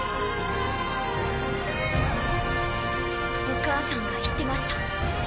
お母さんが言ってました。